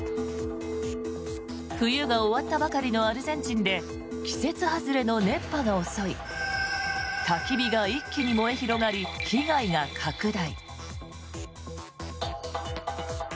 冬が終わったばかりのアルゼンチンで季節外れの熱波が襲いたき火が一気に燃え広がり被害が拡大。